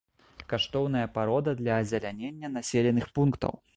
Каштоўная парода для азелянення населеных пунктаў.